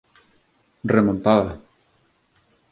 Remontada